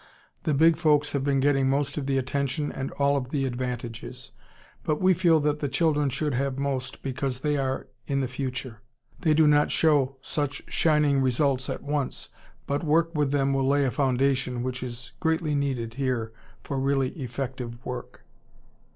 The big folks have been getting most of the attention and all of the advantages, but we feel that the children should have most because they are in the future. They do not show such shining results at once, but work with them will lay a foundation which is greatly needed here for really effective work....